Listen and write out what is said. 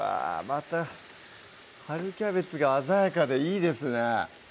また春キャベツが鮮やかでいいですね